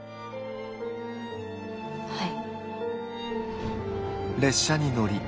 はい。